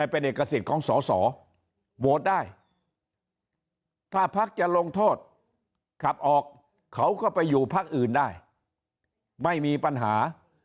เป็นเอกสิทธิ์ของสอสอโหวตได้ถ้าพักจะลงโทษขับออกเขาก็ไปอยู่พักอื่นได้ไม่มีปัญหา